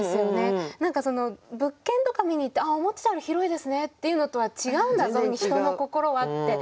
何か物件とか見に行って「思ってたより広いですね」って言うのとは違うんだぞ人の心はって思っちゃって。